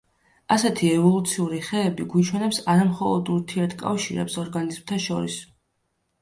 ასეთი ევოლუციური ხეები გვიჩვენებს არა მხოლოდ ურთიერთკავშირებს ორგანიზმთა შორის.